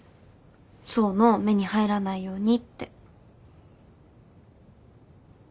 想の目に入らないようにって。